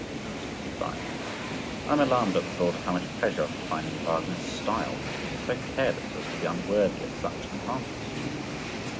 65. I am alarmed at the thought of how much pleasure I could find in Wagner's style, which is so careless as to be unworthy of such an artist.